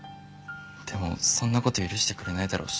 でもそんな事許してくれないだろうし。